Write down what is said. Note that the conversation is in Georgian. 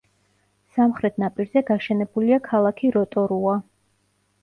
სამხრეთ ნაპირზე გაშენებულია ქალაქი როტორუა.